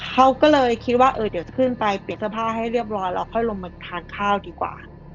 เขาก็เลยคิดว่าเออเดี๋ยวจะขึ้นไปเปลี่ยนเสื้อผ้าให้เรียบร้อยแล้วค่อยลงมาทานข้าวดีกว่า